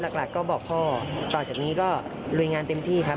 หลักก็บอกพ่อต่อจากนี้ก็ลุยงานเต็มที่ครับ